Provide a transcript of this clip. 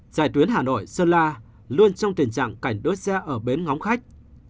giải tuyến hà nội sơn la luôn trong tình trạng cảnh đốt xe ở bến ngóng khách